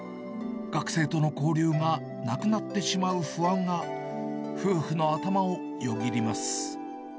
学生との交流がなくなってしまう不安が、夫婦の頭をよぎります。